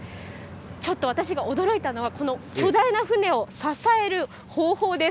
ちょっと私が驚いたのは、この巨大な船を支える方法です。